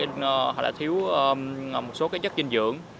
hoặc là thiếu một số chất dinh dưỡng